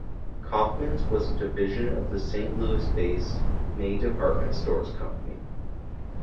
Kaufmann's was a division of the Saint Louis-based May Department Stores Company.